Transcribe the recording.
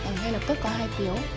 ngay lập tức có hai phiếu